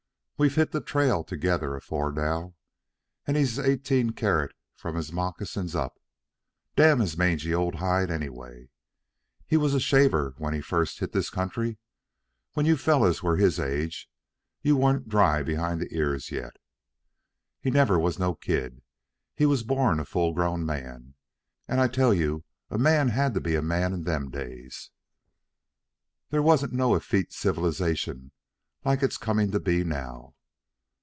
We've hit the trail together afore now, and he's eighteen carat from his moccasins up, damn his mangy old hide, anyway. He was a shaver when he first hit this country. When you fellers was his age, you wa'n't dry behind the ears yet. He never was no kid. He was born a full grown man. An' I tell you a man had to be a man in them days. This wa'n't no effete civilization like it's come to be now."